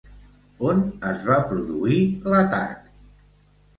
On es va produir l'atac?